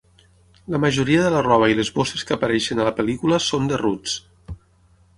La majoria de la roba i les bosses que apareixen a la pel·lícula són de Roots.